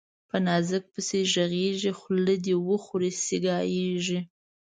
په نازک پسي ږغېږي، خولې ده وخوري سي ګايږي